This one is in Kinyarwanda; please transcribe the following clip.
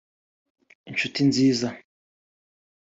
inshuti nziza